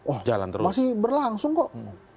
oh masih berlangsung kok